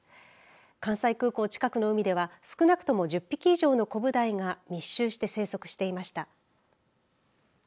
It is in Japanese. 関西空港近くの海では少なくとも１０匹以上のコブダイが密集して生息していました。